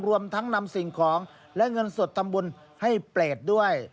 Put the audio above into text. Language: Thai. รวมทั้งนำสิ่งของและเงินสดทำบุญให้เปรตด้วย